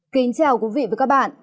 kính chào quý vị và các bạn